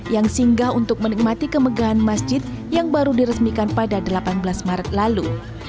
yang singgah untuk menikmati kemegahan masjid yang baru diresmikan pada delapan belas maret lalu